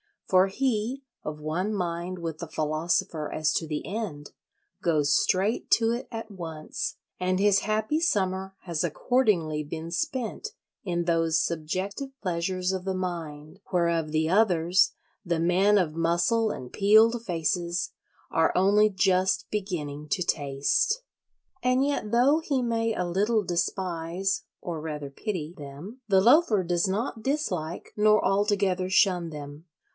For he, of one mind with the philosopher as to the end, goes straight to it at once; and his happy summer has accordingly been spent in those subjective pleasures of the mind whereof the others, the men of muscle and peeled faces, are only just beginning to taste. And yet though he may a little despise (or rather pity) them, the Loafer does not dislike nor altogether shun them.